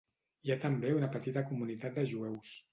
Hi ha també una petita comunitat de jueus.